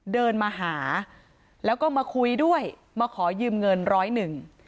เดินมาหาแล้วก็มาคุยด้วยมาขอยืมเงินร้อยหนึ่ง